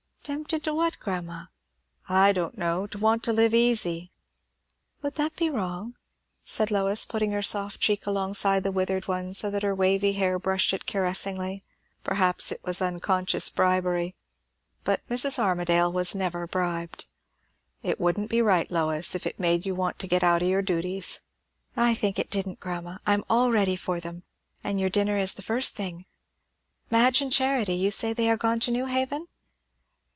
"Tempted to what, grandma?" "I don' know! To want to live easy." "Would that be wrong?" said Lois, putting her soft cheek alongside the withered one, so that her wavy hair brushed it caressingly. Perhaps it was unconscious bribery. But Mrs. Armadale was never bribed. "It wouldn't be right, Lois, if it made you want to get out o' your duties." "I think it didn't, grandma. I'm all ready for them. And your dinner is the first thing. Madge and Charity you say they are gone to New Haven?"